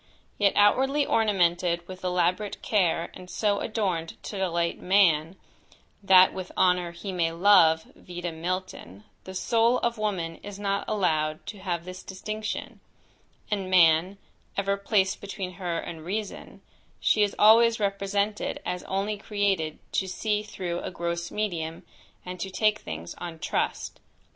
Yet outwardly ornamented with elaborate care, and so adorned to delight man, "that with honour he may love," (Vide Milton) the soul of woman is not allowed to have this distinction, and man, ever placed between her and reason, she is always represented as only created to see through a gross medium, and to take things on trust.